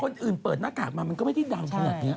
คนอื่นเปิดหน้ากากมามันก็ไม่ได้ดังขนาดนี้